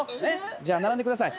じゃあ並んでください。